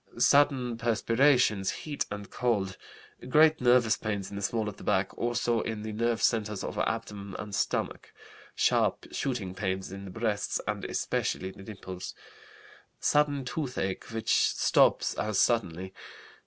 Sudden perspirations, heat and cold. Great nervous pains in the small of the back, also in the nerve centers of abdomen and stomach. Sharp, shooting pains in the breasts and especially the nipples. Sudden toothache which stops as suddenly.